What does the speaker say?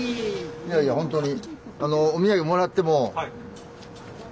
いやいやほんとに。